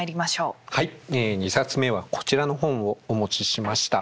はい２冊目はこちらの本をお持ちしました。